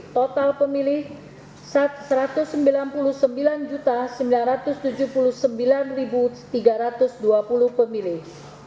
total pemilih satu ratus sembilan puluh sembilan sembilan ratus tujuh puluh sembilan tiga ratus dua puluh pemilih